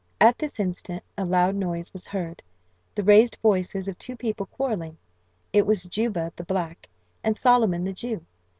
At this instant a loud noise was heard the raised voices of two people quarrelling. It was Juba, the black, and Solomon, the Jew.